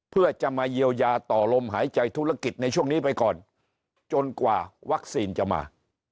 เพื่อจะมาเยียวยาต่อลมหายใจธุรกิจในช่วงนี้ไปก่อนจนกว่าวัคซีนจะมา